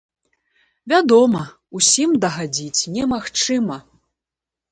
Вядома, усім дагадзіць немагчыма.